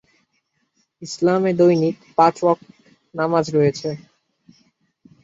ইসলামে দৈনিক পাঁচ ওয়াক্ত নামাজ রয়েছে।